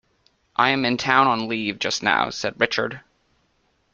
"I am in town on leave just now," said Richard.